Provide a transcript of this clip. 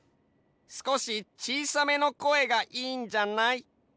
すこしちいさめの声がいいんじゃない？